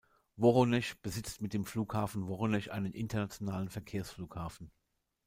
Woronesch besitzt mit dem Flughafen Woronesch einen internationalen Verkehrsflughafen.